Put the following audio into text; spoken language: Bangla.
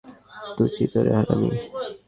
দুচি তোরে, হারামি!